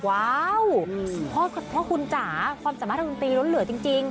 ว้าวพ่อคุณจ๋าความสามารถทางดนตรีล้นเหลือจริง